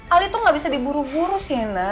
ali tuh gak bisa diburu buru sienna